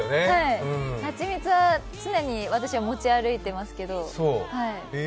蜂蜜は常に私は持ち歩いてますけど。